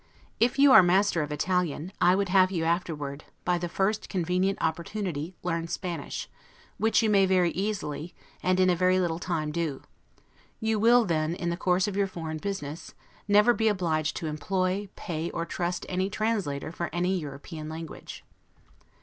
If you are master of Italian, I would have you afterward, by the first convenient opportunity, learn Spanish, which you may very easily, and in a very little time do; you will then, in the course of your foreign business, never be obliged to employ, pay, or trust any translator for any European language.